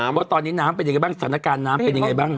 ว่าตอนนี้น้ำเป็นยังไงบ้างสถานการณ์น้ำเป็นยังไงบ้าง